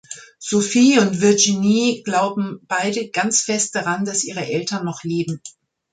Sophie und Virginie glauben beide ganz fest daran, dass ihre Eltern noch leben.